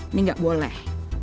ini gak boleh